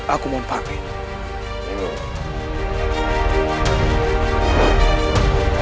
aku mau menghampirimu